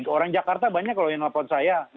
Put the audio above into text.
orang jakarta banyak loh yang nelfon saya